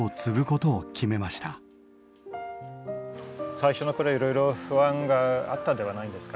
最初の頃いろいろ不安があったんではないんですか？